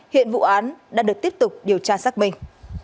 hiện vụ án đang được tiếp tục điều tra xác minh